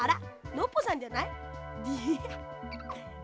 ノッポさんじゃない？ハハハ。